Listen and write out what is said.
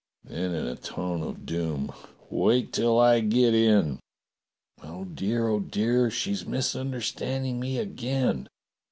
" Then in a tone of doom :" Wait till I get in!" "Oh, dear, oh, dear, she's misunderstanding me again.